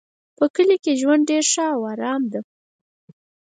په کلي کې ژوند ډېر ښه او آرام ده